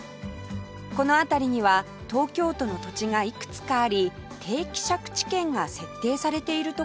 この辺りには東京都の土地がいくつかあり定期借地権が設定されている所があります